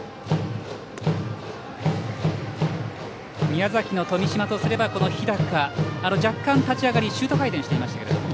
宮崎の富島すれば、日高若干、立ち上がりシュート回転していましたけれど。